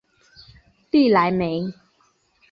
利莱梅。